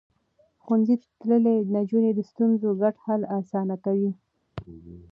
ښوونځی تللې نجونې د ستونزو ګډ حل اسانه کوي.